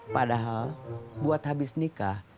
padahal buat habis nikah